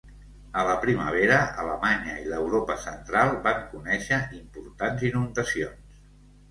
A la primavera, Alemanya i l'Europa central van conèixer importants inundacions.